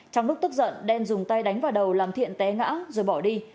trong lúc tức giận đen dùng tay đánh vào đầu làm thiện té ngã rồi bỏ đi